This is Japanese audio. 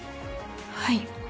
はい。